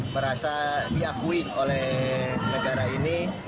merasa diakui oleh negara ini